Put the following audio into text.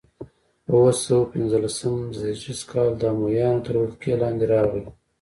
په اووه سوه پنځلسم زېږدیز کال د امویانو تر ولکې لاندې راغي.